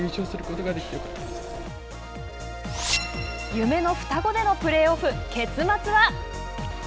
夢の双子でのプレーオフ結末は。